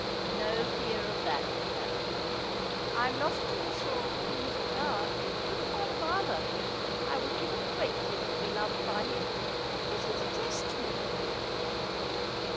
' No fear of that. Daphne.' 'I am not at all sure of winning his regard. Look at my father ! I would give a great deal to be loved by him, yet he detests me.'